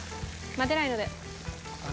待てないので。